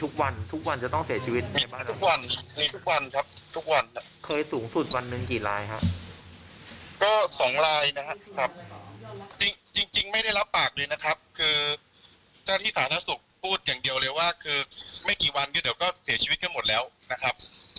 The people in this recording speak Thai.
คือเจ้าที่สาธารณสุขพูดอย่างเดียวเลยว่าคือไม่กี่วันก็เสียชีวิตกันหมดแล้วนะครับ